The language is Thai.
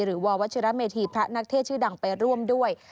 ววัชิระเมธีพระนักเทศชื่อดังไปร่วมด้วย